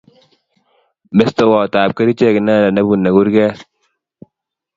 Mestowot ab kechirek inendet ne bunei kurget.